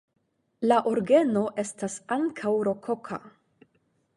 La orgeno estas ankaŭ rokoka.